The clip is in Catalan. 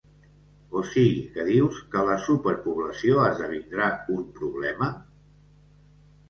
O sigui que dius que la superpoblació esdevindrà un problema?